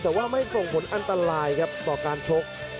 แต่ว่าไม่ส่งผลอันตรายครับต่อการชก